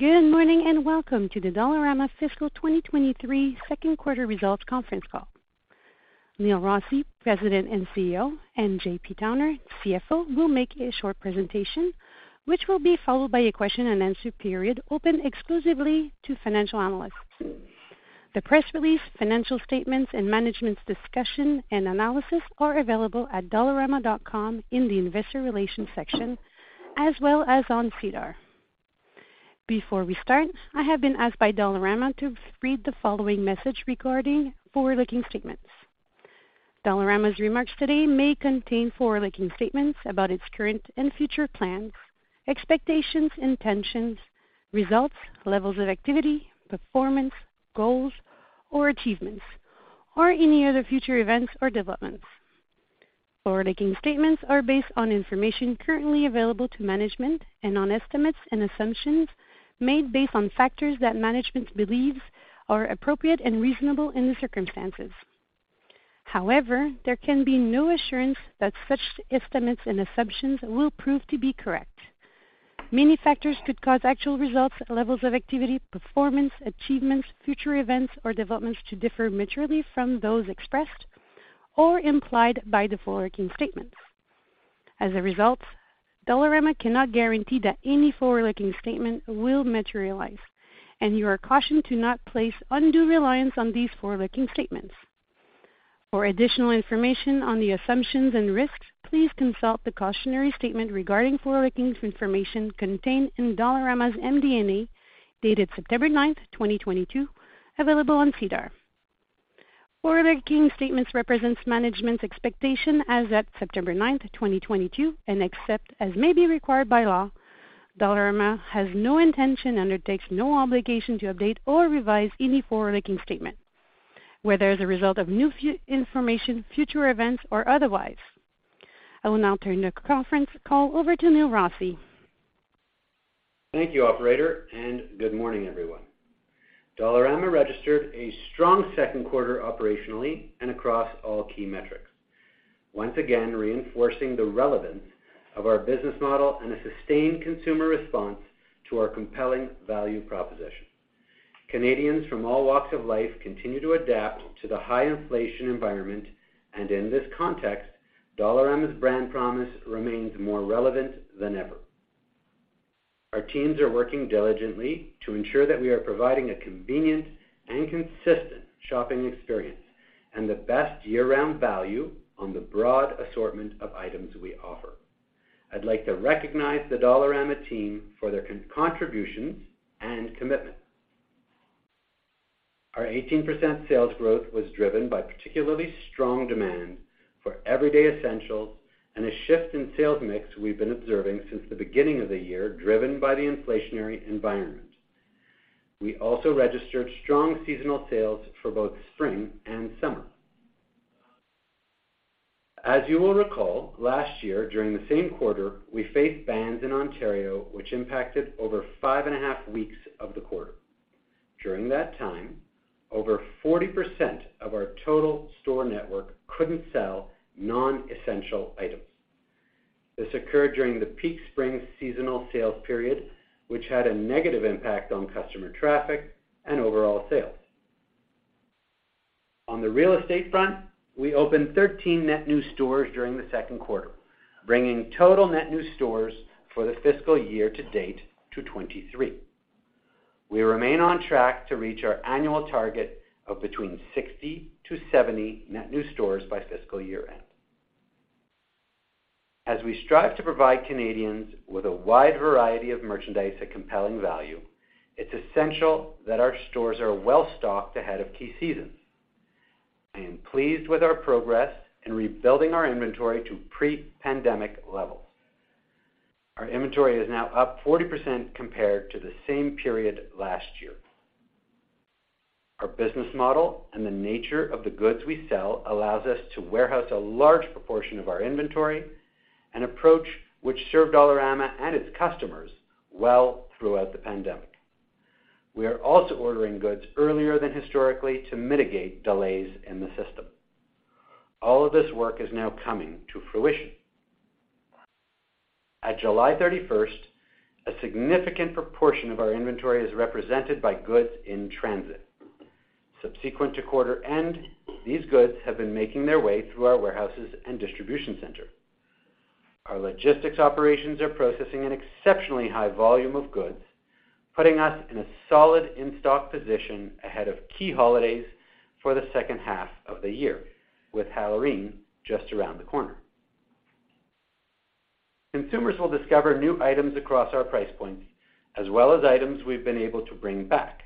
Good morning, and welcome to the Dollarama Fiscal 2023 second quarter results conference call. Neil Rossy, President and CEO, and JP Towner, CFO, will make a short presentation which will be followed by a question-and-answer period open exclusively to financial analysts. The press release, financial statements and management's discussion and analysis are available at dollarama.com in the investor relations section as well as on SEDAR. Before we start, I have been asked by Dollarama to read the following message regarding forward-looking statements. Dollarama's remarks today may contain forward-looking statements about its current and future plans, expectations, intentions, results, levels of activity, performance, goals or achievements, or any other future events or developments. Forward-looking statements are based on information currently available to management and on estimates and assumptions made based on factors that management believes are appropriate and reasonable in the circumstances. However, there can be no assurance that such estimates and assumptions will prove to be correct. Many factors could cause actual results, levels of activity, performance, achievements, future events or developments to differ materially from those expressed or implied by the forward-looking statements. As a result, Dollarama cannot guarantee that any forward-looking statement will materialize and you are cautioned to not place undue reliance on these forward-looking statements. For additional information on the assumptions and risks, please consult the cautionary statement regarding forward-looking information contained in Dollarama's MD&A, dated September 9, 2022, available on SEDAR. Forward-looking statements represents management's expectation as at September 9, 2022, and except as may be required by law, Dollarama has no intention, undertakes no obligation to update or revise any forward-looking statement, whether as a result of new information, future events or otherwise. I will now turn the conference call over to Neil Rossy. Thank you, operator, and good morning, everyone. Dollarama registered a strong second quarter operationally and across all key metrics, once again reinforcing the relevance of our business model and a sustained consumer response to our compelling value proposition. Canadians from all walks of life continue to adapt to the high inflation environment, and in this context, Dollarama's brand promise remains more relevant than ever. Our teams are working diligently to ensure that we are providing a convenient and consistent shopping experience and the best year-round value on the broad assortment of items we offer. I'd like to recognize the Dollarama team for their contribution and commitment. Our 18% sales growth was driven by particularly strong demand for everyday essentials and a shift in sales mix we've been observing since the beginning of the year, driven by the inflationary environment. We also registered strong seasonal sales for both spring and summer. As you will recall, last year during the same quarter, we faced bans in Ontario which impacted over 5.5 weeks of the quarter. During that time, over 40% of our total store network couldn't sell non-essential items. This occurred during the peak spring seasonal sales period, which had a negative impact on customer traffic and overall sales. On the real estate front, we opened 13 net new stores during the second quarter, bringing total net new stores for the fiscal year-to-date to 23. We remain on track to reach our annual target of between 60-70 net new stores by fiscal year-end. As we strive to provide Canadians with a wide variety of merchandise at compelling value, it's essential that our stores are well-stocked ahead of key seasons. I am pleased with our progress in rebuilding our inventory to pre-pandemic levels. Our inventory is now up 40% compared to the same period last year. Our business model and the nature of the goods we sell allows us to warehouse a large proportion of our inventory, an approach which served Dollarama and its customers well throughout the pandemic. We are also ordering goods earlier than historically to mitigate delays in the system. All of this work is now coming to fruition. At July 31st, a significant proportion of our inventory is represented by goods in transit. Subsequent to quarter end, these goods have been making their way through our warehouses and distribution center. Our logistics operations are processing an exceptionally high volume of goods, putting us in a solid in-stock position ahead of key holidays for the second half of the year, with Halloween just around the corner. Consumers will discover new items across our price points as well as items we've been able to bring back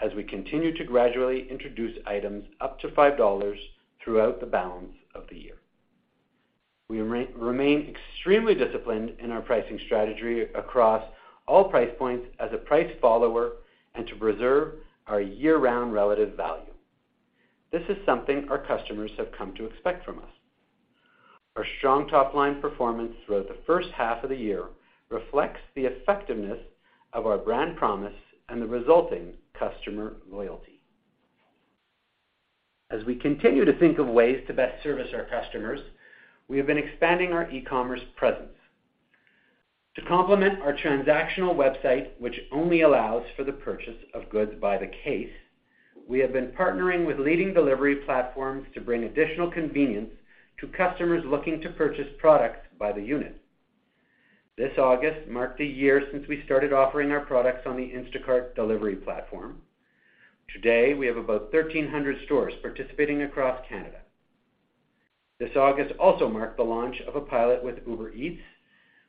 as we continue to gradually introduce items up to 5 dollars throughout the balance of the year. We remain extremely disciplined in our pricing strategy across all price points as a price follower and to preserve our year-round relative value. This is something our customers have come to expect from us. Our strong top-line performance throughout the first half of the year reflects the effectiveness of our brand promise and the resulting customer loyalty. As we continue to think of ways to best service our customers, we have been expanding our e-commerce presence. To complement our transactional website, which only allows for the purchase of goods by the case, we have been partnering with leading delivery platforms to bring additional convenience to customers looking to purchase products by the unit. This August marked a year since we started offering our products on the Instacart delivery platform. Today, we have about 1,300 stores participating across Canada. This August also marked the launch of a pilot with Uber Eats,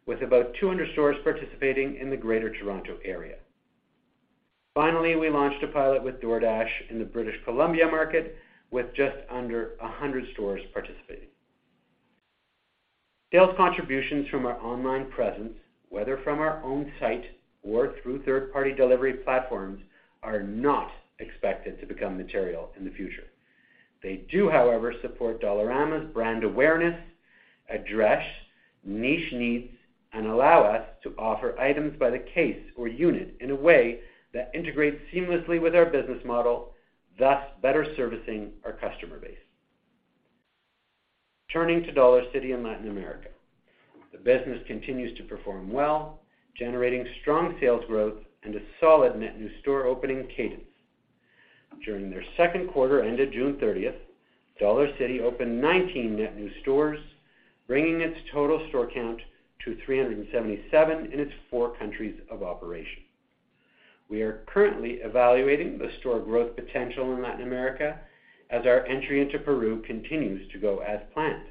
with about 200 stores participating in the Greater Toronto Area. Finally, we launched a pilot with DoorDash in the British Columbia market, with just under 100 stores participating. Sales contributions from our online presence, whether from our own site or through third-party delivery platforms, are not expected to become material in the future. They do, however, support Dollarama's brand awareness, address niche needs, and allow us to offer items by the case or unit in a way that integrates seamlessly with our business model, thus better servicing our customer base. Turning to Dollarcity in Latin America, the business continues to perform well, generating strong sales growth and a solid net new store opening cadence. During their second quarter ended June 30, Dollarcity opened 19 net new stores, bringing its total store count to 377 in its four countries of operation. We are currently evaluating the store growth potential in Latin America as our entry into Peru continues to go as planned.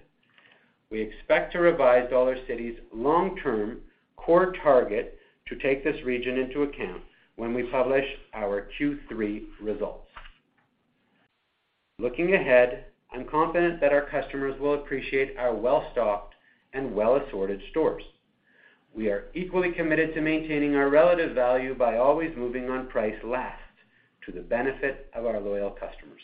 We expect to revise Dollarcity's long-term core target to take this region into account when we publish our Q3 results. Looking ahead, I'm confident that our customers will appreciate our well-stocked and well-assorted stores. We are equally committed to maintaining our relative value by always moving on price last to the benefit of our loyal customers.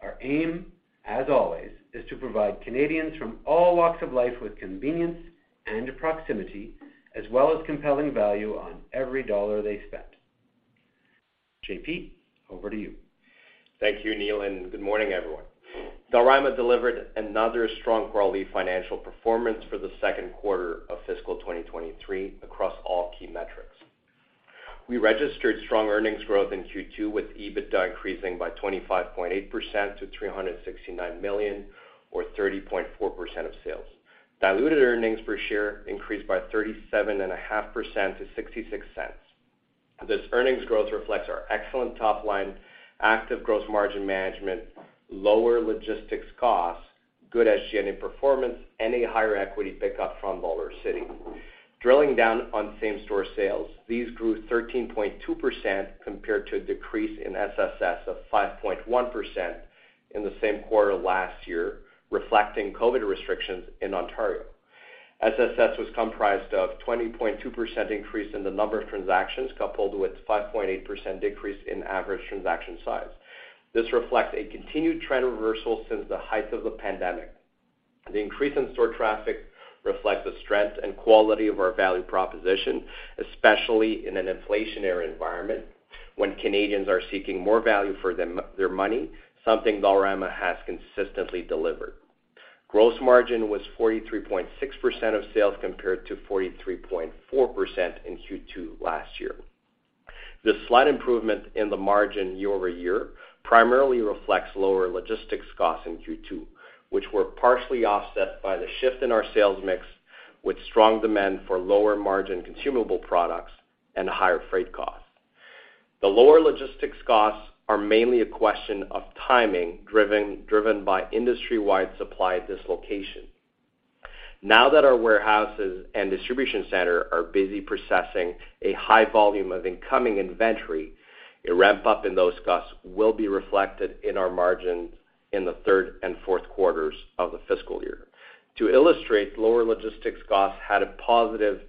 Our aim, as always, is to provide Canadians from all walks of life with convenience and proximity, as well as compelling value on every dollar they spend. JP, over to you. Thank you, Neil, and good morning, everyone. Dollarama delivered another strong quarterly financial performance for the second quarter of fiscal 2023 across all key metrics. We registered strong earnings growth in Q2 with EBITDA increasing by 25.8% to 369 million or 30.4% of sales. Diluted earnings per share increased by 37.5% to 0.66. This earnings growth reflects our excellent top line, active gross margin management, lower logistics costs, good SG&A performance, and a higher equity pickup from Dollarcity. Drilling down on same-store sales, these grew 13.2% compared to a decrease in SSS of 5.1% in the same quarter last year, reflecting COVID restrictions in Ontario. SSS was comprised of 20.2% increase in the number of transactions coupled with 5.8% decrease in average transaction size. This reflects a continued trend reversal since the height of the pandemic. The increase in store traffic reflects the strength and quality of our value proposition, especially in an inflationary environment when Canadians are seeking more value for their money, something Dollarama has consistently delivered. Gross margin was 43.6% of sales compared to 43.4% in Q2 last year. This slight improvement in the margin year-over-year primarily reflects lower logistics costs in Q2, which were partially offset by the shift in our sales mix with strong demand for lower margin consumable products and higher freight costs. The lower logistics costs are mainly a question of timing driven by industry-wide supply dislocation. Now that our warehouses and distribution center are busy processing a high volume of incoming inventory, a ramp-up in those costs will be reflected in our margins in the third and fourth quarters of the fiscal year. To illustrate, lower logistics costs had a positive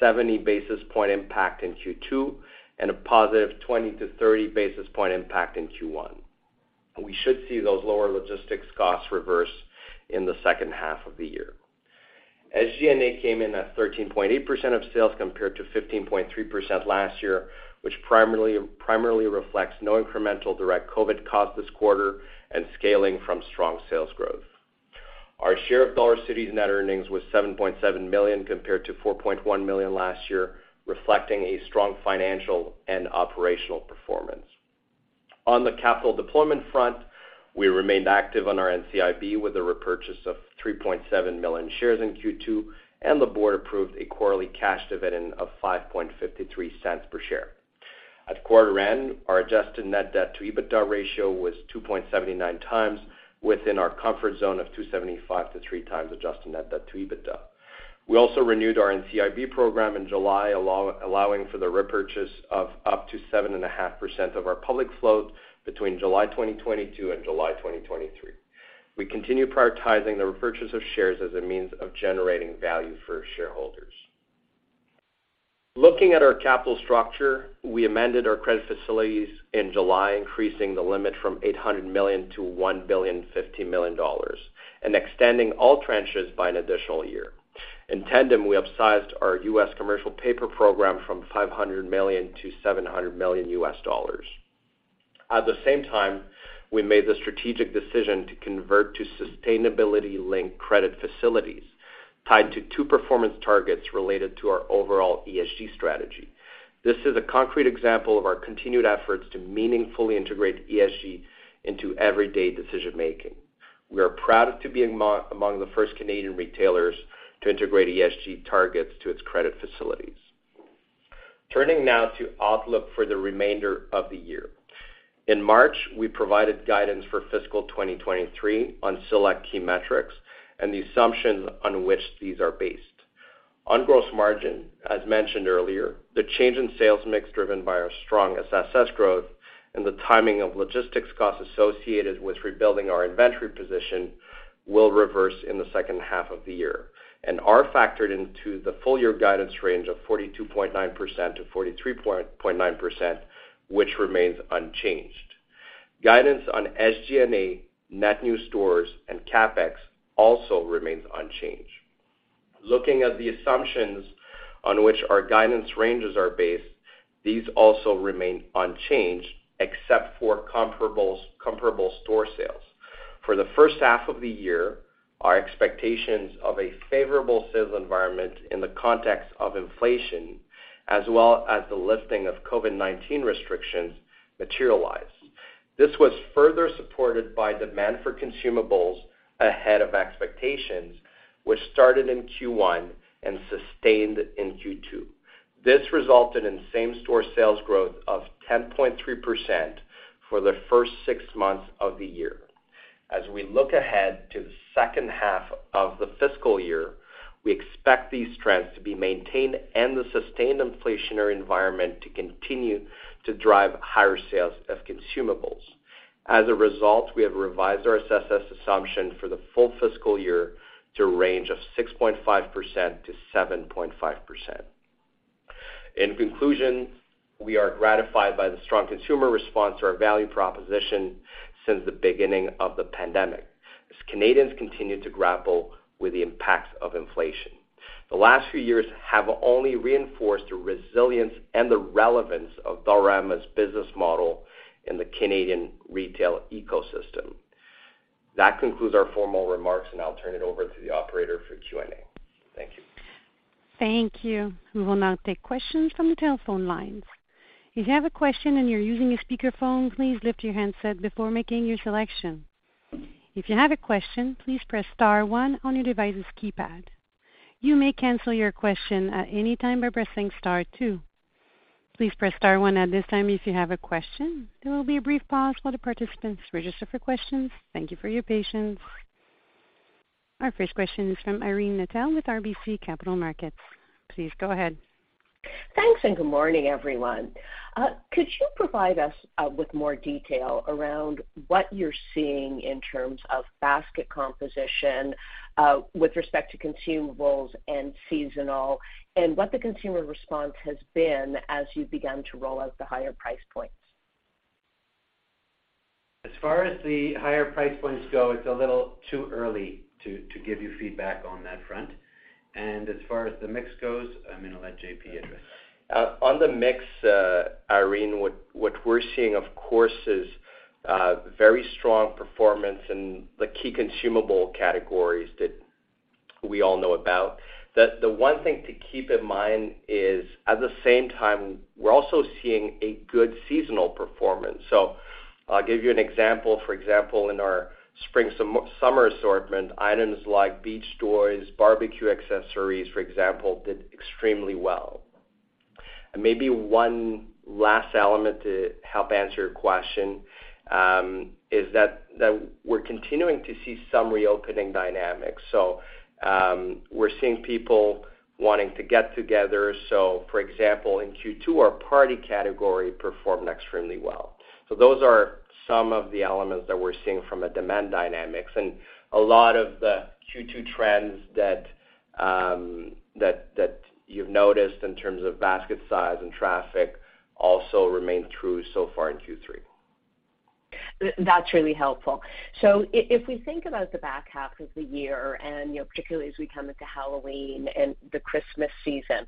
70 basis point impact in Q2 and a positive 20-30 basis point impact in Q1. We should see those lower logistics costs reverse in the second half of the year. SG&A came in at 13.8% of sales compared to 15.3% last year, which primarily reflects no incremental direct COVID costs this quarter and scaling from strong sales growth. Our share of Dollarcity's net earnings was 7.7 million compared to 4.1 million last year, reflecting a strong financial and operational performance. On the capital deployment front, we remained active on our NCIB with a repurchase of 3.7 million shares in Q2, and the board approved a quarterly cash dividend of 0.0553 per share. At quarter end, our adjusted net debt to EBITDA ratio was 2.79x within our comfort zone of 2.75x-3x adjusted net debt to EBITDA. We also renewed our NCIB program in July, allowing for the repurchase of up to 7.5% of our public float between July 2022 and July 2023. We continue prioritizing the repurchase of shares as a means of generating value for shareholders. Looking at our capital structure, we amended our credit facilities in July, increasing the limit from 800 million to 1.05 billion and extending all tranches by an additional year. In tandem, we upsized our US commercial paper program from $500 million to $700 million. At the same time, we made the strategic decision to convert to sustainability-linked credit facilities tied to two performance targets related to our overall ESG strategy. This is a concrete example of our continued efforts to meaningfully integrate ESG into everyday decision-making. We are proud to be among the first Canadian retailers to integrate ESG targets to its credit facilities. Turning now to outlook for the remainder of the year. In March, we provided guidance for fiscal 2023 on select key metrics and the assumptions on which these are based. On gross margin, as mentioned earlier, the change in sales mix driven by our strong SSS growth and the timing of logistics costs associated with rebuilding our inventory position will reverse in the second half of the year and are factored into the full-year guidance range of 42.9%-43.9%, which remains unchanged. Guidance on SG&A, net new stores and CapEx also remains unchanged. Looking at the assumptions on which our guidance ranges are based, these also remain unchanged except for comparable store sales. For the first half of the year, our expectations of a favorable sales environment in the context of inflation, as well as the lifting of COVID-19 restrictions materialized. This was further supported by demand for consumables ahead of expectations, which started in Q1 and sustained in Q2. This resulted in same-store sales growth of 10.3% for the first six months of the year. As we look ahead to the second half of the fiscal year, we expect these trends to be maintained and the sustained inflationary environment to continue to drive higher sales of consumables. As a result, we have revised our SSS assumption for the full fiscal year to a range of 6.5%-7.5%. In conclusion, we are gratified by the strong consumer response to our value proposition since the beginning of the pandemic, as Canadians continue to grapple with the impacts of inflation. The last few years have only reinforced the resilience and the relevance of Dollarama's business model in the Canadian retail ecosystem. That concludes our formal remarks, and I'll turn it over to the operator for Q&A. Thank you. Thank you. We will now take questions from the telephone lines. If you have a question and you're using a speakerphone, please lift your handset before making your selection. If you have a question, please press star one on your device's keypad. You may cancel your question at any time by pressing star two. Please press star one at this time if you have a question. There will be a brief pause while the participants register for questions. Thank you for your patience. Our first question is from Irene Nattel with RBC Capital Markets. Please go ahead. Thanks. Good morning, everyone. Could you provide us with more detail around what you're seeing in terms of basket composition with respect to consumables and seasonal, and what the consumer response has been as you began to roll out the higher price points? As far as the higher price points go, it's a little too early to give you feedback on that front. As far as the mix goes, I'm gonna let JP address that. On the mix, Irene, what we're seeing, of course, is very strong performance in the key consumable categories that we all know about. The one thing to keep in mind is, at the same time, we're also seeing a good seasonal performance. I'll give you an example. For example, in our spring-summer assortment, items like beach toys, barbecue accessories, for example, did extremely well. Maybe one last element to help answer your question is that we're continuing to see some reopening dynamics. We're seeing people wanting to get together. For example, in Q2, our party category performed extremely well. Those are some of the elements that we're seeing from a demand dynamics. A lot of the Q2 trends that you've noticed in terms of basket size and traffic also remain true so far in Q3. That's really helpful. If we think about the back half of the year and, you know, particularly as we come into Halloween and the Christmas season,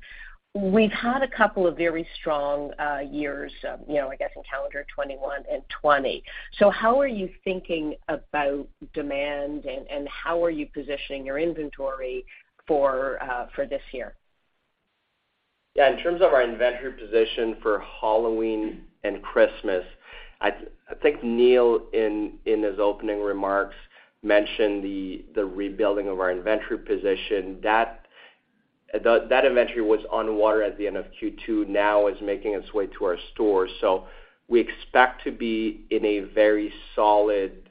we've had a couple of very strong years, you know, I guess in calendar 2021 and 2020. How are you thinking about demand, and how are you positioning your inventory for this year? Yeah, in terms of our inventory position for Halloween and Christmas, I think Neil, in his opening remarks, mentioned the rebuilding of our inventory position. That inventory was on water at the end of Q2, now is making its way to our stores. We expect to be in a very solid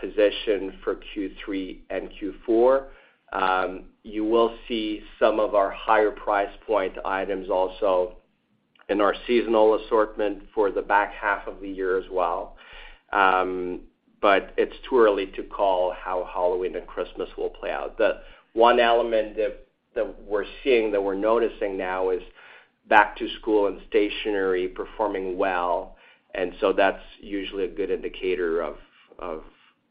position for Q3 and Q4. You will see some of our higher price point items also in our seasonal assortment for the back half of the year as well. It's too early to call how Halloween and Christmas will play out. The one element that we're noticing now is back-to-school and stationery performing well, and so that's usually a good indicator of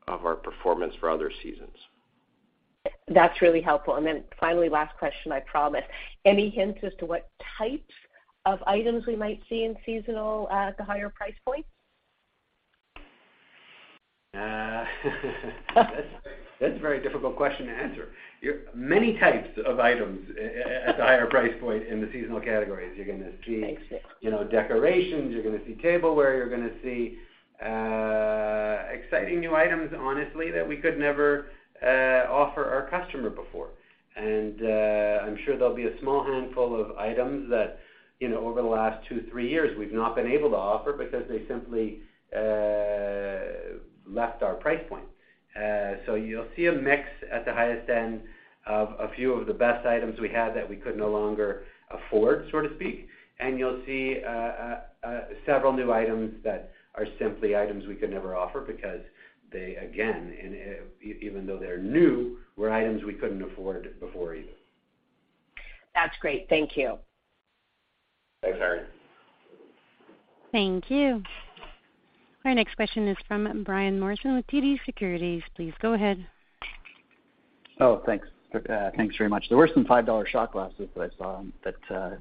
our performance for other seasons. That's really helpful. Finally, last question, I promise. Any hints as to what types of items we might see in seasonal at the higher price points? That's a very difficult question to answer. Many types of items at the higher price point in the seasonal categories. You're gonna see, you know, decorations. You're gonna see tableware. You're gonna see exciting new items, honestly, that we could never offer our customer before. I'm sure there'll be a small handful of items that, you know, over the last two, three years, we've not been able to offer because they simply left our price point. You'll see a mix at the highest end of a few of the best items we had that we could no longer afford, so to speak. You'll see several new items that are simply items we could never offer because they, again, even though they're new, were items we couldn't afford before even. That's great. Thank you. Thanks, Irene. Thank you. Our next question is from Brian Morrison with TD Securities. Please go ahead. Thanks very much. There were some CAD 5 shot glasses that I saw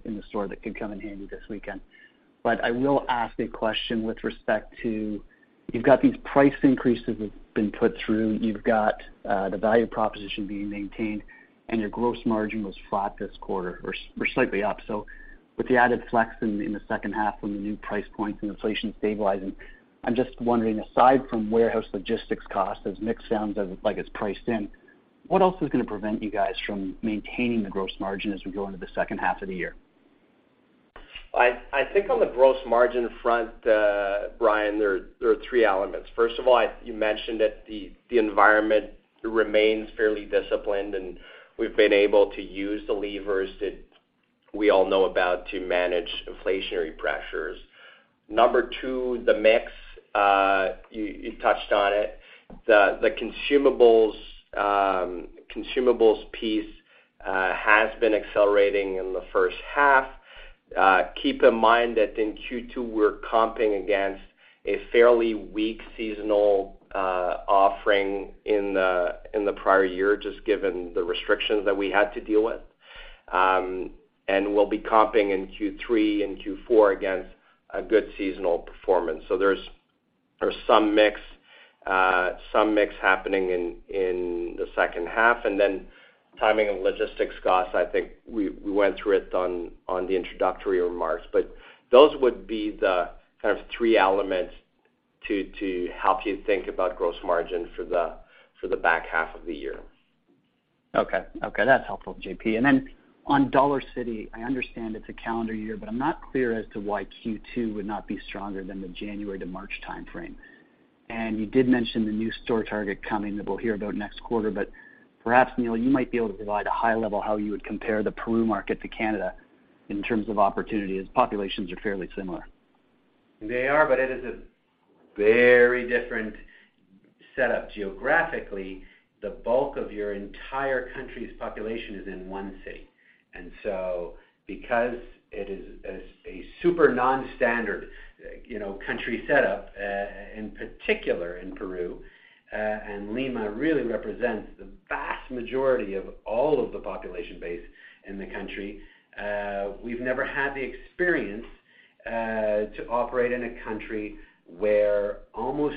in the store that could come in handy this weekend. I will ask a question with respect to, you've got these price increases that have been put through. You've got the value proposition being maintained, and your gross margin was flat this quarter or slightly up. With the added flex in the second half from the new price points and inflation stabilizing, I'm just wondering, aside from warehouse logistics costs, as mix sounds like it's priced in, what else is gonna prevent you guys from maintaining the gross margin as we go into the second half of the year? I think on the gross margin front, Brian, there are three elements. First of all, you mentioned that the environment remains fairly disciplined, and we've been able to use the levers that we all know about to manage inflationary pressures. Number two, the mix, you touched on it. The consumables piece has been accelerating in the first half. Keep in mind that in Q2, we're comping against a fairly weak seasonal offering in the prior year, just given the restrictions that we had to deal with. We'll be comping in Q3 and Q4 against a good seasonal performance. So there's some mix happening in the second half. Then timing and logistics costs, I think we went through it on the introductory remarks. Those would be the kind of three elements to help you think about gross margin for the back half of the year. Okay. Okay, that's helpful, JP. Then on Dollarcity, I understand it's a calendar year, but I'm not clear as to why Q2 would not be stronger than the January to March timeframe. You did mention the new store target coming that we'll hear about next quarter. Perhaps, Neil, you might be able to provide a high level how you would compare the Peru market to Canada in terms of opportunity, as populations are fairly similar. They are, but it is a very different setup geographically. The bulk of your entire country's population is in one city. Because it is a super non-standard, you know, country setup, in particular in Peru, and Lima really represents the vast majority of all of the population base in the country, we've never had the experience to operate in a country where almost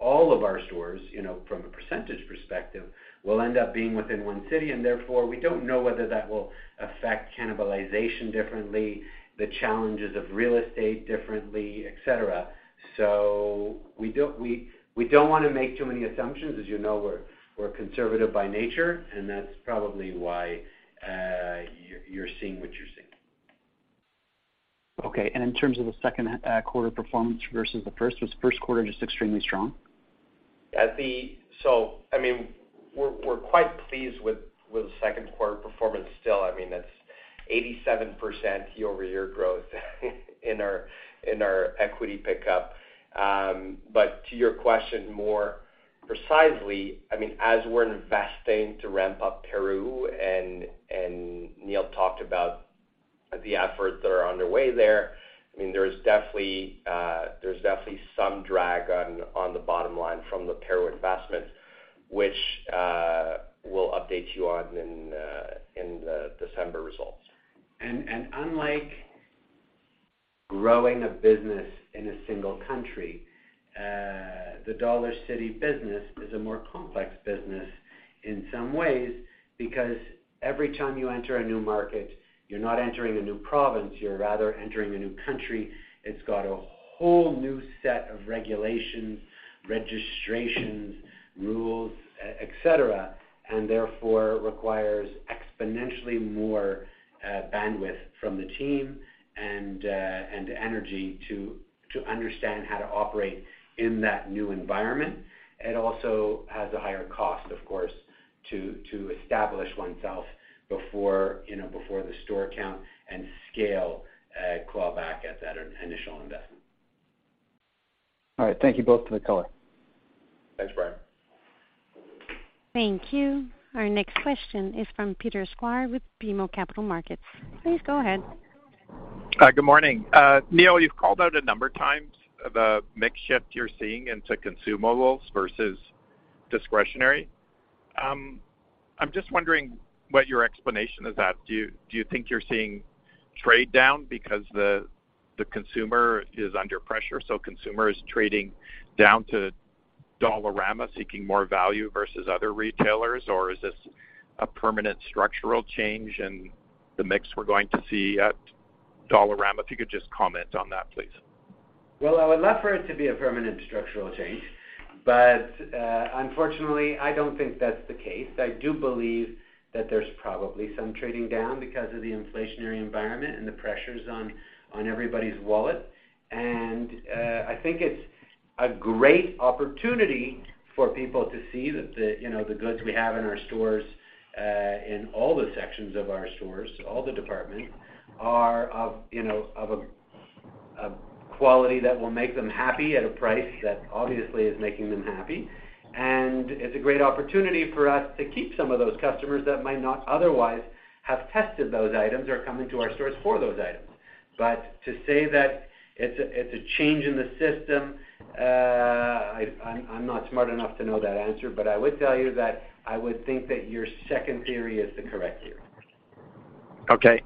all of our stores, you know, from a percentage perspective, will end up being within one city. Therefore, we don't know whether that will affect cannibalization differently, the challenges of real estate differently, et cetera. We don't wanna make too many assumptions. As you know, we're conservative by nature, and that's probably why you're seeing what you're seeing. Okay. In terms of the second quarter performance versus the first, was first quarter just extremely strong? I mean, we're quite pleased with the second quarter performance still. I mean, that's 87% year-over-year growth in our equity pickup. To your question more precisely, I mean, as we're investing to ramp up Peru, and Neil talked about the efforts that are underway there, I mean, there's definitely some drag on the bottom line from the Peru investment, which we'll update you on in the December results. Unlike growing a business in a single country, the Dollarcity business is a more complex business in some ways, because every time you enter a new market, you're not entering a new province, you're rather entering a new country. It's got a whole new set of regulations, registrations, rules, et cetera, and therefore requires exponentially more bandwidth from the team and energy to understand how to operate in that new environment. It also has a higher cost, of course, to establish oneself before, you know, before the store count and scale claw back at that initial investment. All right. Thank you both for the color. Thanks, Brian. Thank you. Our next question is from Peter Sklar with BMO Capital Markets. Please go ahead. Good morning. Neil, you've called out a number of times the mix shift you're seeing into consumables versus discretionary. I'm just wondering what your explanation is that. Do you think you're seeing trade down because the consumer is under pressure, so consumer is trading down to Dollarama seeking more value versus other retailers? Or is this a permanent structural change in the mix we're going to see at Dollarama? If you could just comment on that, please. Well, I would love for it to be a permanent structural change, but unfortunately, I don't think that's the case. I do believe that there's probably some trading down because of the inflationary environment and the pressures on everybody's wallet. I think it's a great opportunity for people to see that you know, the goods we have in our stores in all the sections of our stores, all the departments are of you know, of a quality that will make them happy at a price that obviously is making them happy. It's a great opportunity for us to keep some of those customers that might not otherwise have tested those items or come into our stores for those items. To say that it's a change in the system, I'm not smart enough to know that answer, but I would tell you that I would think that your second theory is the correct theory. Okay.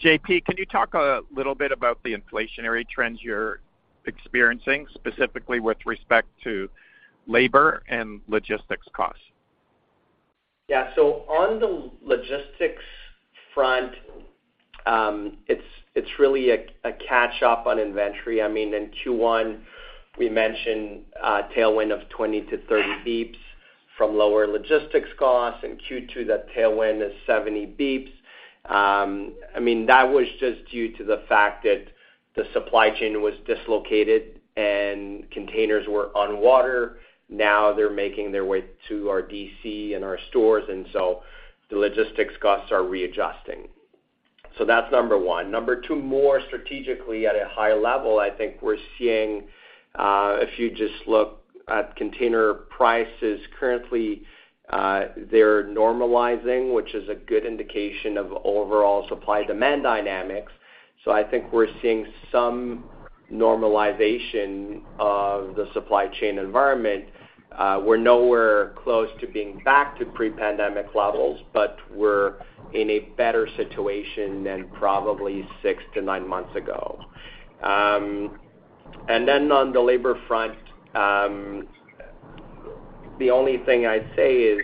JP, can you talk a little bit about the inflationary trends you're experiencing, specifically with respect to labor and logistics costs? Yeah. On the logistics front, it's really a catch up on inventory. I mean, in Q1, we mentioned a tailwind of 20-30 basis points from lower logistics costs. In Q2, the tailwind is 70 basis points. I mean, that was just due to the fact that the supply chain was dislocated and containers were on water. Now they're making their way to our DC and our stores, and the logistics costs are readjusting. That's number one. Number two, more strategically at a high level, I think we're seeing, if you just look at container prices currently, they're normalizing, which is a good indication of overall supply-demand dynamics. I think we're seeing some normalization of the supply chain environment, we're nowhere close to being back to pre-pandemic levels, but we're in a better situation than probably six-nine months ago. On the labor front, the only thing I'd say is,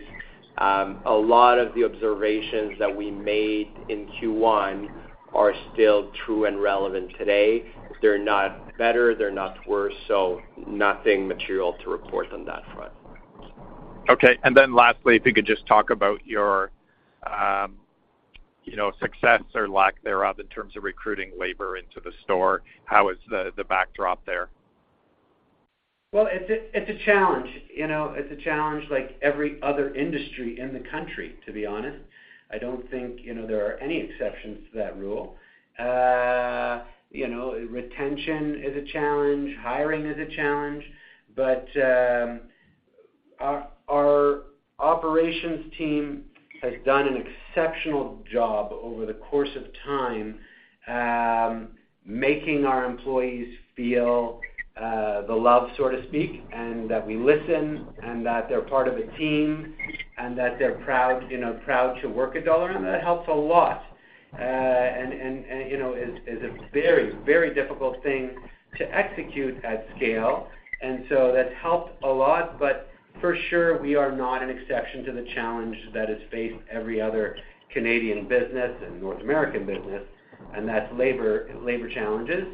a lot of the observations that we made in Q1 are still true and relevant today. They're not better, they're not worse, so nothing material to report on that front. Okay. Lastly, if you could just talk about your, you know, success or lack thereof in terms of recruiting labor into the store, how is the backdrop there? Well, it's a challenge, you know, it's a challenge like every other industry in the country, to be honest. I don't think, you know, there are any exceptions to that rule. Retention is a challenge, hiring is a challenge. Our operations team has done an exceptional job over the course of time, making our employees feel the love, so to speak, and that we listen and that they're part of a team and that they're proud, you know, proud to work at Dollarama. It helps a lot. And you know, it's a very difficult thing to execute at scale. That's helped a lot, but for sure, we are not an exception to the challenge that has faced every other Canadian business and North American business, and that's labor challenges.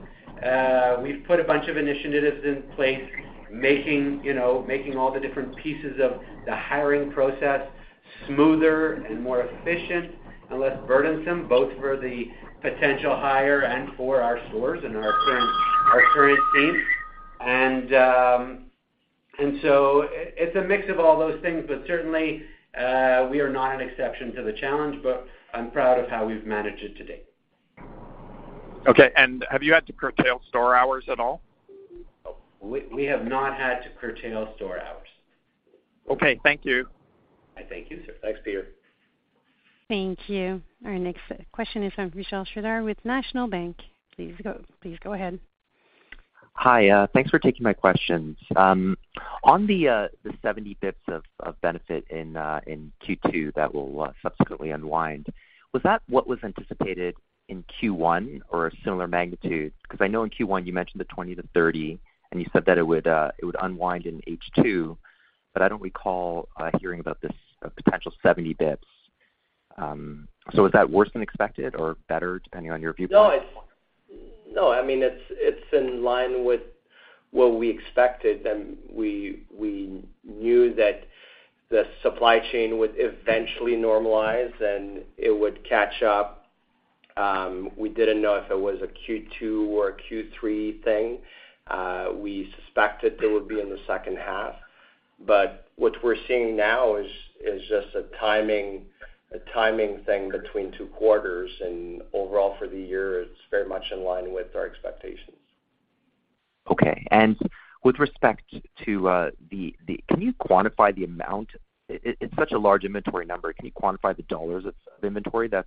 We've put a bunch of initiatives in place making, you know, all the different pieces of the hiring process smoother and more efficient and less burdensome, both for the potential hire and for our stores and our current team. It's a mix of all those things, but certainly, we are not an exception to the challenge, but I'm proud of how we've managed it to date. Okay. Have you had to curtail store hours at all? We have not had to curtail store hours. Okay. Thank you. I thank you, sir. Thanks, Peter. Thank you. Our next question is from Vishal Shreedhar with National Bank. Please go ahead. Hi. Thanks for taking my questions. On the 70 basis points of benefit in Q2 that will subsequently unwind, was that what was anticipated in Q1 or a similar magnitude? Because I know in Q1 you mentioned the 20-30 basis points, and you said that it would unwind in H2, but I don't recall hearing about this potential 70 basis points. Is that worse than expected or better, depending on your viewpoint? No. I mean, it's in line with what we expected, and we knew that the supply chain would eventually normalize and it would catch up. We didn't know if it was a Q2 or a Q3 thing. We suspected it would be in the second half. What we're seeing now is just a timing thing between two quarters, and overall for the year, it's very much in line with our expectations. Okay. With respect to, can you quantify the amount? It's such a large inventory number. Can you quantify the dollars of inventory that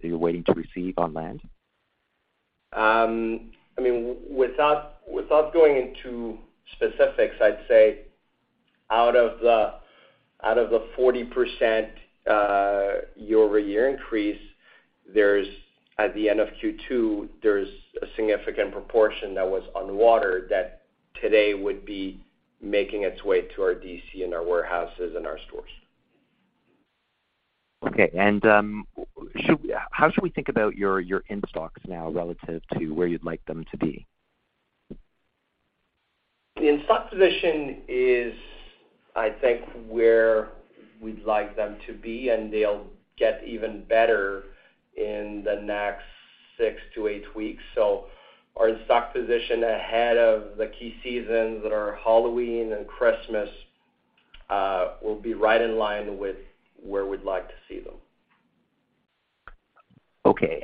you're waiting to receive on land? I mean, without going into specifics, I'd say out of the 40% year-over-year increase, at the end of Q2, there's a significant proportion that was on water that today would be making its way to our DC and our warehouses and our stores. Okay. How should we think about your in-stocks now relative to where you'd like them to be? The in-stock position is, I think, where we'd like them to be, and they'll get even better in the next six-eight weeks. Our in-stock position ahead of the key seasons that are Halloween and Christmas will be right in line with where we'd like to see them. Okay.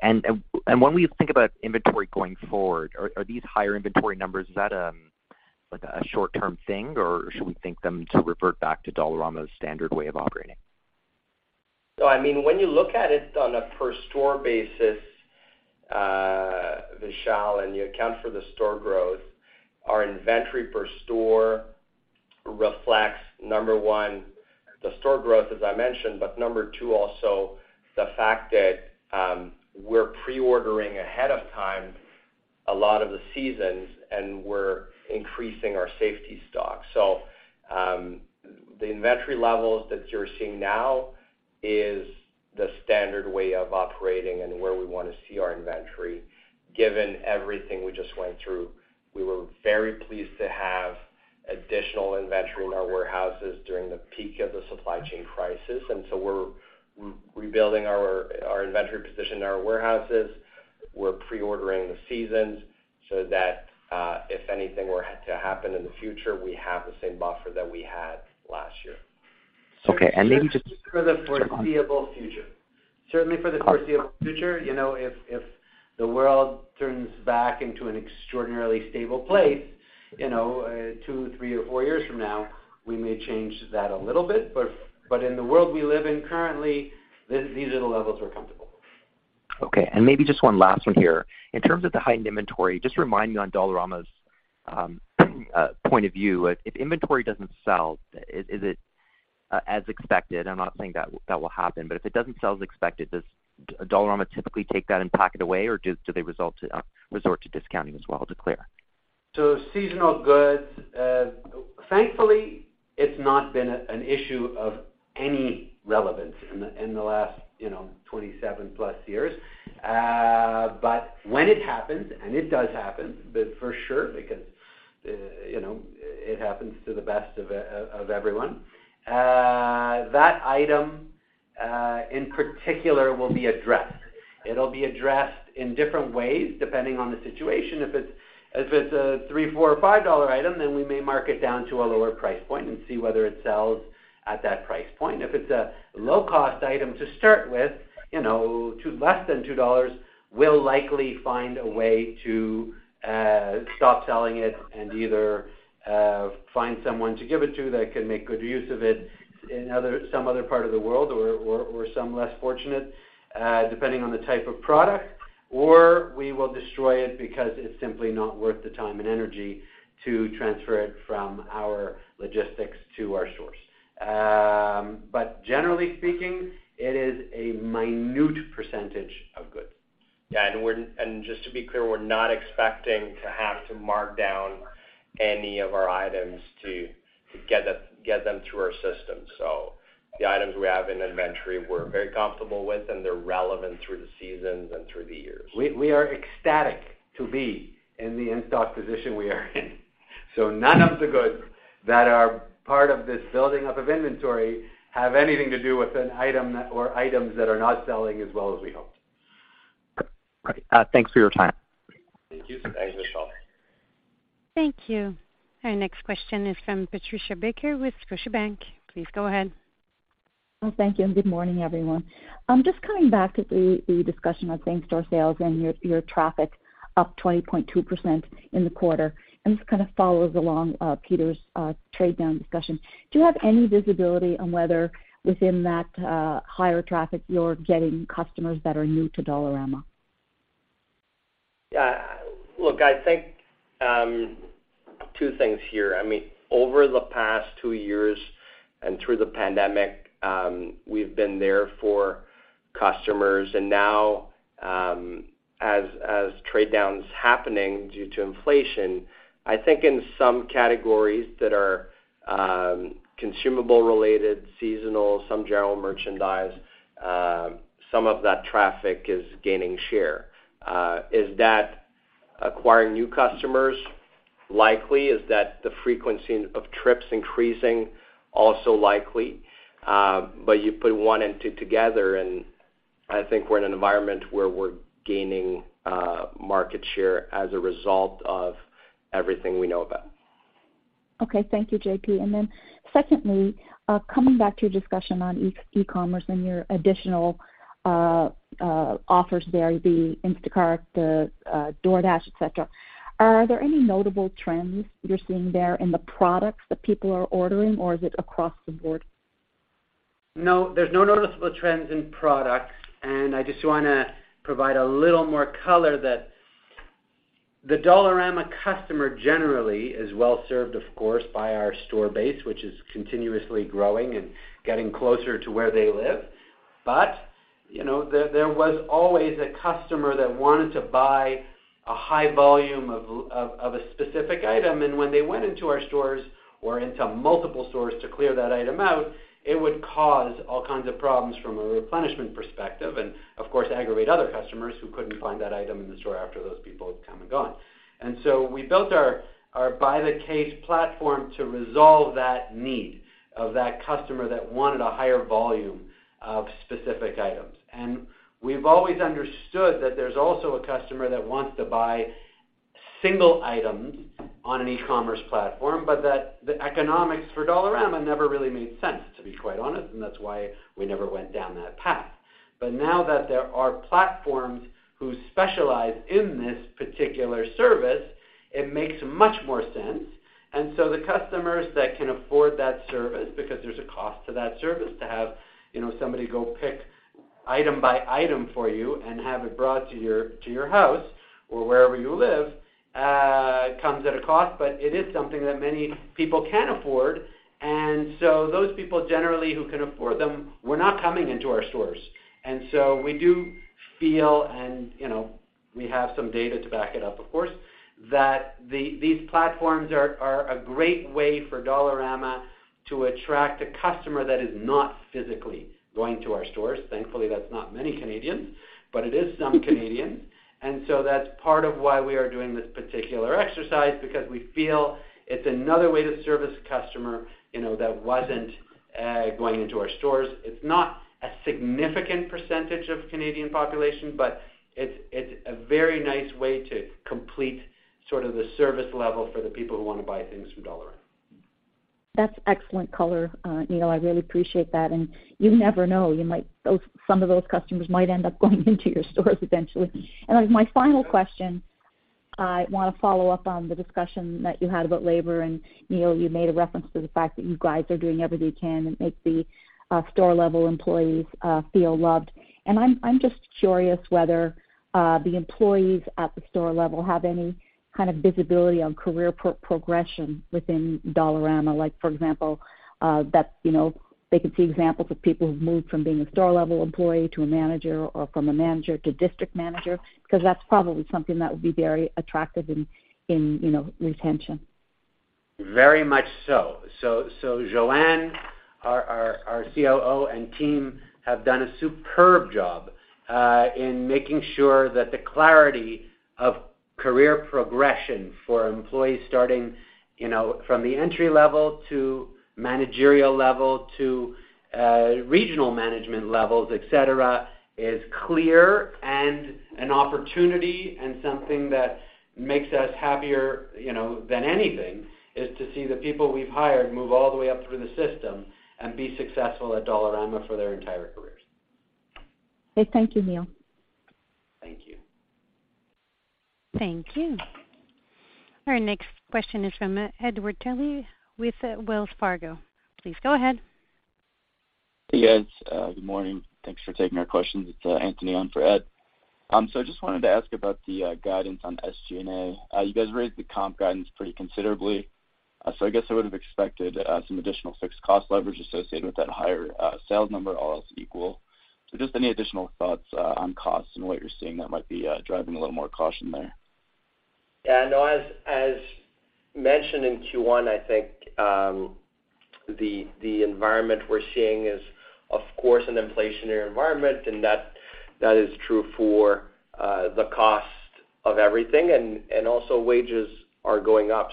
When we think about inventory going forward, are these higher inventory numbers, is that like a short-term thing, or should we think them to revert back to Dollarama's standard way of operating? I mean, when you look at it on a per store basis, Vishal, and you account for the store growth, our inventory per store reflects, number one, the store growth, as I mentioned, but number two, also the fact that, we're pre-ordering ahead of time a lot of the seasons, and we're increasing our safety stock. The inventory levels that you're seeing now is the standard way of operating and where we want to see our inventory. Given everything we just went through, we were very pleased to have additional inventory in our warehouses during the peak of the supply chain crisis, and we're rebuilding our inventory position in our warehouses. We're pre-ordering the seasons so that, if anything were to happen in the future, we have the same buffer that we had last year. Certainly for the foreseeable future. You know, if the world turns back into an extraordinarily stable place, you know, two, three, or four years from now, we may change that a little bit. But in the world we live in currently, these are the levels we're comfortable with. Okay. Maybe just one last one here. In terms of the heightened inventory, just remind me on Dollarama's point of view, if inventory doesn't sell as expected, I'm not saying that will happen, but if it doesn't sell as expected, does Dollarama typically take that and pack it away, or do they resort to discounting as well to clear? Seasonal goods, thankfully, it's not been an issue of any relevance in the last, you know, 27+ years. When it happens, and it does happen, but for sure, because, you know, it happens to the best of everyone, that item in particular will be addressed. It'll be addressed in different ways, depending on the situation. If it's a 3, 4, or 5 dollar item, then we may mark it down to a lower price point and see whether it sells at that price point. If it's a low-cost item to start with, you know, less than 2 dollars, we'll likely find a way to stop selling it and either find someone to give it to that can make good use of it in some other part of the world or some less fortunate, depending on the type of product, or we will destroy it because it's simply not worth the time and energy to transfer it from our logistics to our stores. Generally speaking, it is a minute percentage of goods. Yeah. Just to be clear, we're not expecting to have to mark down any of our items to get them through our system. The items we have in inventory, we're very comfortable with, and they're relevant through the seasons and through the years. We are ecstatic to be in the in-stock position we are in. None of the goods that are part of this building up of inventory have anything to do with an item or items that are not selling as well as we hoped. Okay. Thanks for your time. Thank you. Thanks, Vishal. Thank you. Our next question is from Patricia Baker with Scotiabank. Please go ahead. Well, thank you, and good morning, everyone. I'm just coming back to the discussion on same-store sales and your traffic up 20.2% in the quarter, and this kind of follows along, Peter's trade down discussion. Do you have any visibility on whether within that higher traffic you're getting customers that are new to Dollarama? Yeah. Look, I think two things here. I mean, over the past two years and through the pandemic, we've been there for customers. Now, as trade down's happening due to inflation, I think in some categories that are consumable related, seasonal, some general merchandise, some of that traffic is gaining share. Is that acquiring new customers likely? Is that the frequency of trips increasing also likely? You put one and two together and I think we're in an environment where we're gaining market share as a result of everything we know about. Okay, thank you, JP. Secondly, coming back to your discussion on e-commerce and your additional offers there, the Instacart, the DoorDash, et cetera. Are there any notable trends you're seeing there in the products that people are ordering, or is it across the board? No, there's no noticeable trends in products, and I just wanna provide a little more color that the Dollarama customer generally is well-served, of course, by our store base, which is continuously growing and getting closer to where they live. You know, there was always a customer that wanted to buy a high volume of a specific item, and when they went into our stores or into multiple stores to clear that item out, it would cause all kinds of problems from a replenishment perspective and of course, aggravate other customers who couldn't find that item in the store after those people had come and gone. We built our by-the-case platform to resolve that need of that customer that wanted a higher volume of specific items. We've always understood that there's also a customer that wants to buy single items on an e-commerce platform, but that the economics for Dollarama never really made sense, to be quite honest, and that's why we never went down that path. Now that there are platforms who specialize in this particular service, it makes much more sense. The customers that can afford that service, because there's a cost to that service, to have, you know, somebody go pick item by item for you and have it brought to your house or wherever you live, comes at a cost, but it is something that many people can afford. Those people generally who can afford them were not coming into our stores. We do feel, and you know, we have some data to back it up, of course, that these platforms are a great way for Dollarama to attract a customer that is not physically going to our stores. Thankfully, that's not many Canadians, but it is some Canadians. That's part of why we are doing this particular exercise, because we feel it's another way to service a customer, you know, that wasn't going into our stores. It's not a significant percentage of Canadian population, but it's a very nice way to complete sort of the service level for the people who wanna buy things from Dollarama. That's excellent color, Neil, I really appreciate that. You never know, you might, some of those customers might end up going into your stores eventually. My final question, I wanna follow up on the discussion that you had about labor. Neil, you made a reference to the fact that you guys are doing everything you can to make the store-level employees feel loved. I'm just curious whether the employees at the store level have any kind of visibility on career progression within Dollarama. Like, for example, that you know, they could see examples of people who've moved from being a store-level employee to a manager or from a manager to district manager, because that's probably something that would be very attractive in you know, retention. Very much so. Johanne, our COO and team have done a superb job in making sure that the clarity of career progression for employees starting, you know, from the entry level to managerial level to regional management levels, et cetera, is clear and an opportunity. Something that makes us happier, you know, than anything, is to see the people we've hired move all the way up through the system and be successful at Dollarama for their entire careers. Okay. Thank you, Neil. Thank you. Thank you. Our next question is from Edward Kelly with Wells Fargo. Please go ahead. Hey, guys. Good morning. Thanks for taking our questions. It's Anthony on for Ed. I just wanted to ask about the guidance on SG&A. You guys raised the comp guidance pretty considerably, so I guess I would have expected some additional fixed cost leverage associated with that higher sales number, all else equal. Just any additional thoughts on costs and what you're seeing that might be driving a little more caution there? Yeah, no, as mentioned in Q1, I think the environment we're seeing is, of course, an inflationary environment, and that is true for the cost of everything. Also wages are going up.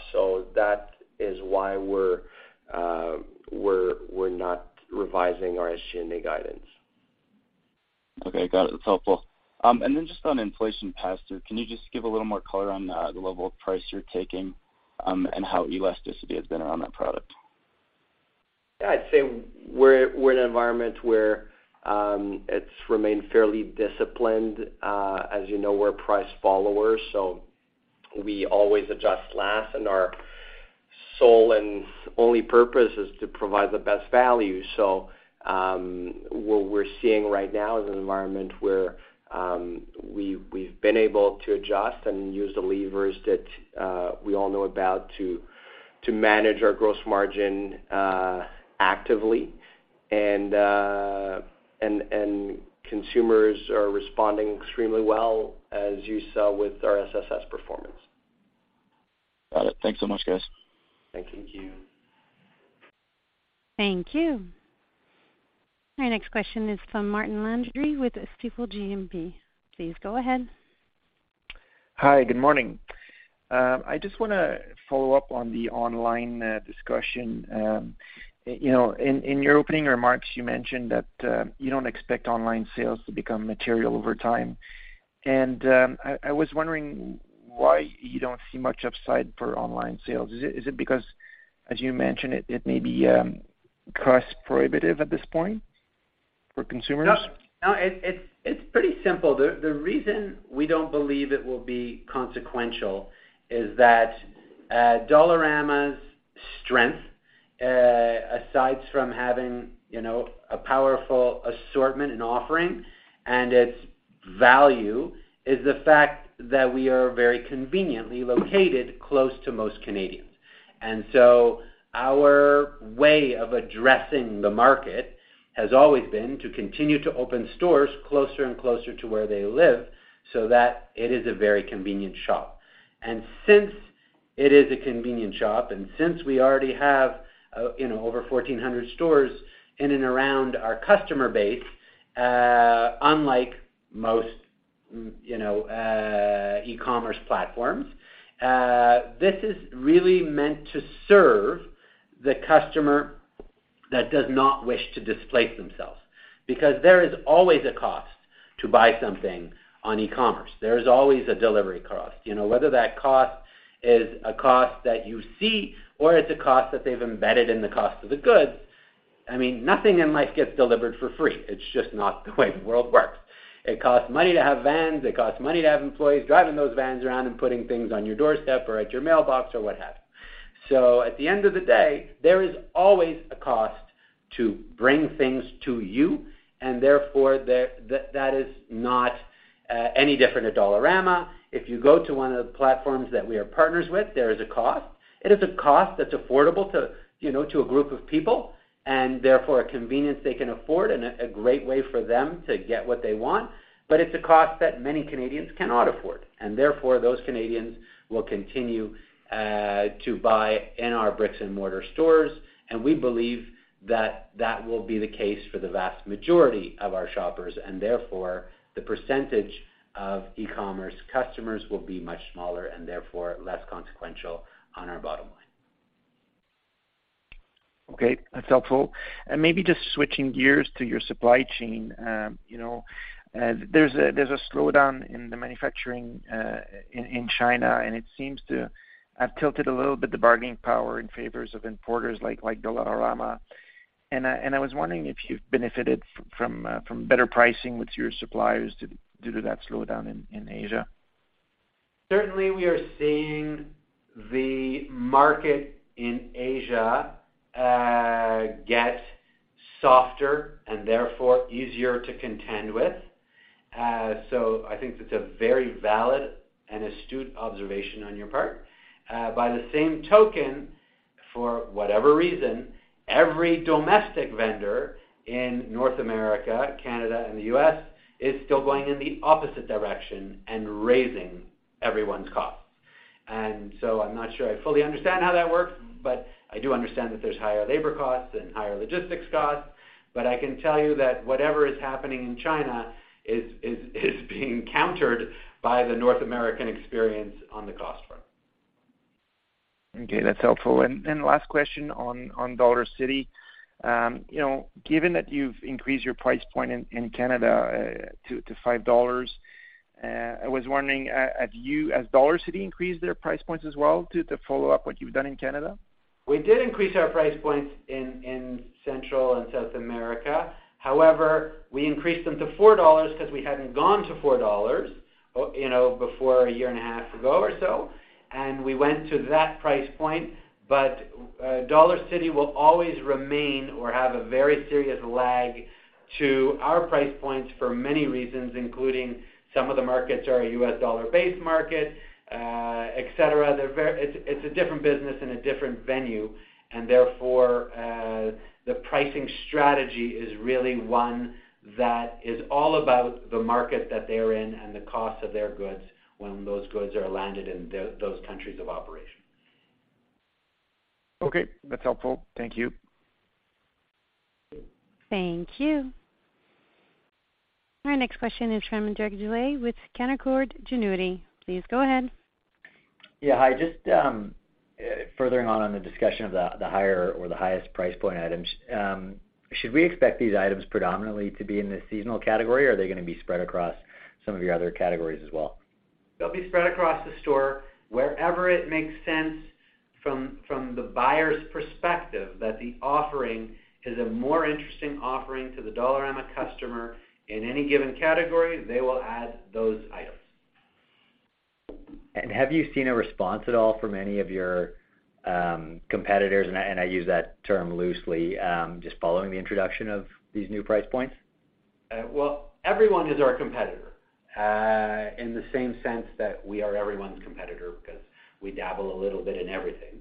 That is why we're not revising our SG&A guidance. Okay, got it. That's helpful. Just on inflation pass-through, can you just give a little more color on the level of price you're taking, and how elasticity has been around that product? Yeah, I'd say we're in an environment where it's remained fairly disciplined. As you know, we're price followers, so we always adjust last, and our sole and only purpose is to provide the best value. What we're seeing right now is an environment where we've been able to adjust and use the levers that we all know about to manage our gross margin actively. Consumers are responding extremely well, as you saw with our SSS performance. Got it. Thanks so much, guys. Thank you. Thank you. Our next question is from Martin Landry with Stifel GMP. Please go ahead. Hi, good morning. I just wanna follow up on the online discussion. You know, in your opening remarks, you mentioned that you don't expect online sales to become material over time. I was wondering why you don't see much upside for online sales. Is it because, as you mentioned, it may be cost prohibitive at this point for consumers? No, it's pretty simple. The reason we don't believe it will be consequential is that Dollarama's strength, aside from having, you know, a powerful assortment and offering and its value, is the fact that we are very conveniently located close to most Canadians. Our way of addressing the market has always been to continue to open stores closer and closer to where they live so that it is a very convenient shop. Since it is a convenient shop, and since we already have, you know, over 1,400 stores in and around our customer base, unlike most, you know, e-commerce platforms, this is really meant to serve the customer that does not wish to displace themselves because there is always a cost to buy something on e-commerce. There is always a delivery cost. You know, whether that cost is a cost that you see or it's a cost that they've embedded in the cost of the goods, I mean, nothing in life gets delivered for free. It's just not the way the world works. It costs money to have vans. It costs money to have employees driving those vans around and putting things on your doorstep or at your mailbox or what have you. So at the end of the day, there is always a cost to bring things to you, and therefore, that is not any different at Dollarama. If you go to one of the platforms that we are partners with, there is a cost. It is a cost that's affordable to, you know, to a group of people, and therefore a convenience they can afford and a great way for them to get what they want. It's a cost that many Canadians cannot afford, and therefore those Canadians will continue to buy in our bricks-and-mortar stores. We believe that that will be the case for the vast majority of our shoppers, and therefore, the percentage of e-commerce customers will be much smaller and therefore less consequential on our bottom line. Okay, that's helpful. Maybe just switching gears to your supply chain. You know, there's a slowdown in the manufacturing in China, and it seems to have tilted a little bit the bargaining power in favor of importers like Dollarama. I was wondering if you've benefited from better pricing with your suppliers due to that slowdown in Asia. Certainly, we are seeing the market in Asia get softer and therefore easier to contend with. I think that's a very valid and astute observation on your part. By the same token, for whatever reason, every domestic vendor in North America, Canada and the U.S., is still going in the opposite direction and raising everyone's costs. I'm not sure I fully understand how that works, but I do understand that there's higher labor costs and higher logistics costs. I can tell you that whatever is happening in China is being countered by the North American experience on the cost front. Okay, that's helpful. Last question on Dollarcity. You know, given that you've increased your price point in Canada to 5 dollars, I was wondering, has Dollarcity increased their price points as well to follow up what you've done in Canada? We did increase our price points in Central and South America. However, we increased them to $4 because we hadn't gone to $4, you know, before a year and a half ago or so, and we went to that price point. Dollarcity will always remain or have a very serious lag to our price points for many reasons, including some of the markets are a US dollar-based market, et cetera. It's a different business and a different venue, and therefore, the pricing strategy is really one that is all about the market that they're in and the cost of their goods when those goods are landed in those countries of operation. Okay, that's helpful. Thank you. Thank you. Our next question is from Derek Dley with Canaccord Genuity. Please go ahead. Just furthering on the discussion of the higher or the highest price point items, should we expect these items predominantly to be in the seasonal category, or are they gonna be spread across some of your other categories as well? They'll be spread across the store. Wherever it makes sense from the buyer's perspective that the offering is a more interesting offering to the Dollarama customer in any given category, they will add those items. Have you seen a response at all from any of your competitors, and I use that term loosely, just following the introduction of these new price points? Well, everyone is our competitor in the same sense that we are everyone's competitor because we dabble a little bit in everything.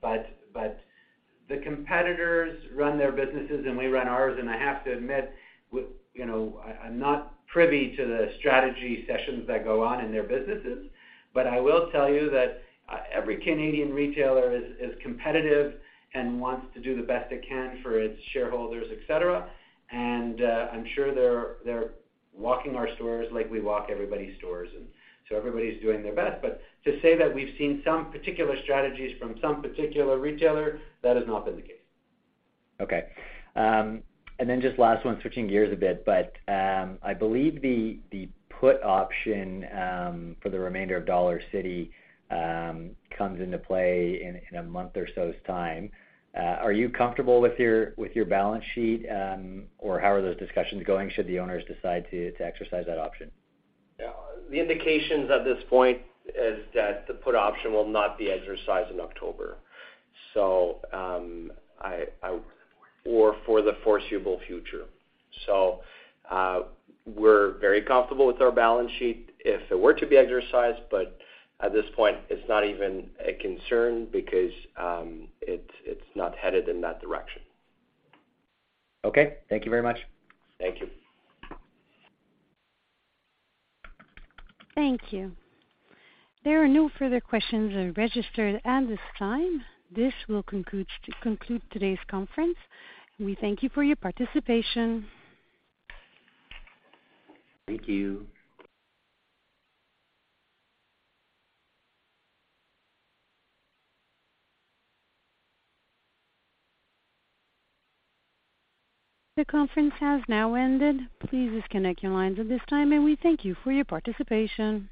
But the competitors run their businesses, and we run ours. I have to admit with, you know, I'm not privy to the strategy sessions that go on in their businesses. I will tell you that every Canadian retailer is competitive and wants to do the best it can for its shareholders, et cetera. I'm sure they're walking our stores like we walk everybody's stores, and so everybody's doing their best. To say that we've seen some particular strategies from some particular retailer, that has not been the case. Okay. Just last one, switching gears a bit, but I believe the put option for the remainder of Dollarcity comes into play in a month or so's time. Are you comfortable with your balance sheet? How are those discussions going, should the owners decide to exercise that option? The indications at this point is that the put option will not be exercised in October or for the foreseeable future. We're very comfortable with our balance sheet if it were to be exercised, but at this point it's not even a concern because it's not headed in that direction. Okay. Thank you very much. Thank you. Thank you. There are no further questions registered at this time. This will conclude today's conference. We thank you for your participation. Thank you. The conference has now ended. Please disconnect your lines at this time, and we thank you for your participation.